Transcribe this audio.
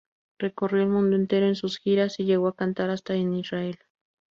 Recorrió el mundo entero en sus giras, y llegó a cantar hasta en Israel.